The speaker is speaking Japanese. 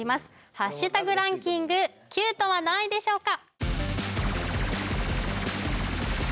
ハッシュタグランキングｃｕｔｅは何位でしょうか？